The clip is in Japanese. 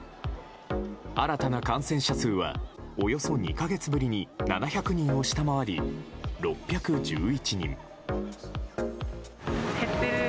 新たな感染者数はおよそ２か月ぶりに７００人を下回り６１１人。